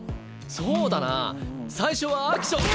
そうだな最初はアクション！